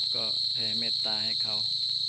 ก็แผ่เมตตาให้เขา